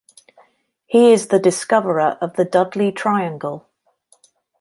He is the discoverer of the Dudley triangle.